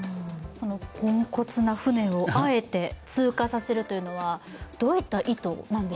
そのポンコツな船をあえて、通過させるというのはどういった意図とが？